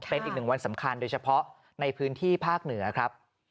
เป็นอีกหนึ่งวันสำคัญโดยเฉพาะในพื้นที่ภาคเหนือครับ